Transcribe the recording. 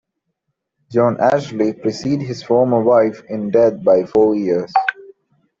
John Ashley preceded his former wife in death by four years.